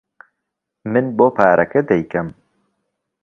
من بۆ پارەکە دەیکەم.